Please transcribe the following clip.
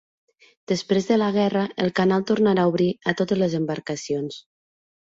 Després de la guerra el canal tornà a obrir a totes les embarcacions.